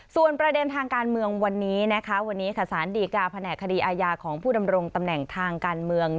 ส่วนประเด็นทางการเมืองวันนี้นะคะสตกแผนกคอของผู้ดำรงตำแหน่งทางการเมือง